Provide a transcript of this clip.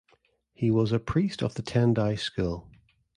He was a priest of the Tendai school.